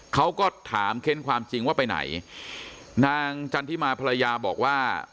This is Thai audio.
เขาก็ถามเค้นความจริงว่าไปไหนนางจันทิมาภรรยาบอกว่า